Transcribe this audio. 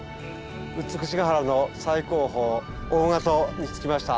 美ヶ原の最高峰王ヶ頭に着きました。